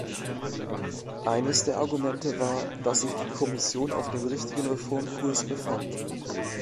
Eines der Argumente war, dass sich die Kommission auf dem richtigen Reformkurs befand.